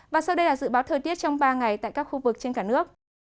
và sau đây là dự báo thời tiết trong ba ngày tại các khu vực trên cả nước